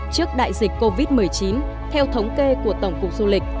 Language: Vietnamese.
trước đại dịch covid một mươi chín theo thống kê của tổng cục du lịch